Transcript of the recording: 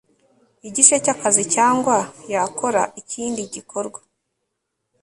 igice cy akazi cyangwa yakora ikindi igikorwa